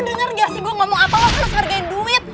lo tuh denger gak sih gue ngomong apa lo harus hargai duit